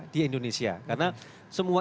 di indonesia karena semua